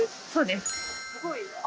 すごい青。